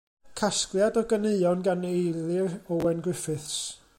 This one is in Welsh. Casgliad o ganeuon gan Eilir Owen Griffiths.